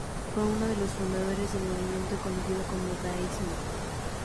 Fue uno de los fundadores del movimiento conocido como Dadaísmo.